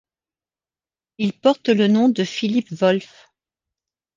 Ils portent le nom de Philip Wolfe.